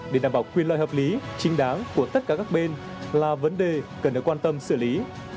để đảm bảo quyền lợi hợp lý chính đáng của tất cả các bên là vấn đề cần được quan tâm xử lý